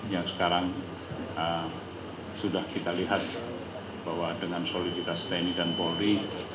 yang sekarang sudah kita lihat bahwa dengan soliditas tni dan polri